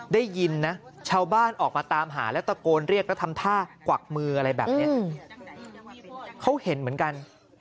ได้ยินนะชาวบ้านออกมาตามหาแล้วตะโกนเรียกแล้วทำท่ากวักมืออะไรแบบนี้เขาเห็นเหมือนกัน